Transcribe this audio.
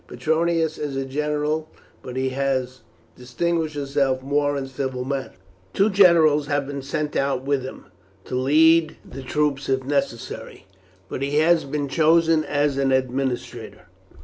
Petronius is a general, but he has distinguished himself more in civil matters. Two generals have been sent out with him, to lead the troops if necessary, but he has been chosen as an administrator."